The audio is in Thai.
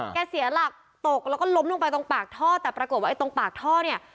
เสียหลักตกแล้วก็ล้มลงไปตรงปากท่อแต่ปรากฏว่าไอ้ตรงปากท่อเนี่ย